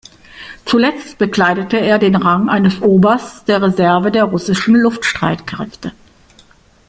Zuletzt bekleidete er den Rang eines Obersts der Reserve der russischen Luftstreitkräfte.